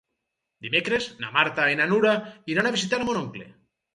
Dimecres na Marta i na Nura iran a visitar mon oncle.